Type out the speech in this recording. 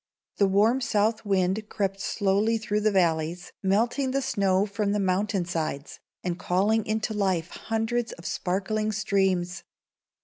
The warm south wind crept slowly through the valleys, melting the snow from the mountain sides, and calling into life hundreds of sparkling streams.